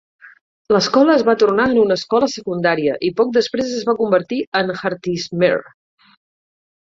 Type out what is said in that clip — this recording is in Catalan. L'escola es va tornar en una escola secundària i poc després es va convertir en Hartismere.